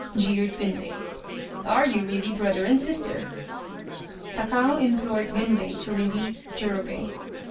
jeered Gunbei. "Are you really brother and sister F " Takao implored Gunbei to release Jurobei.